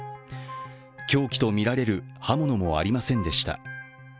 凶器と見られる刃物もありませんでした。